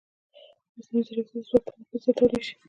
مصنوعي ځیرکتیا د ځواک تمرکز زیاتولی شي.